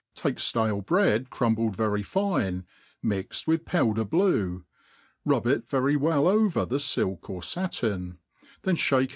TAKE flalc bread crumbled vtrj fine, mixed with powder«« blue, rub it veiy well over the nlk or fattin ; then (bake.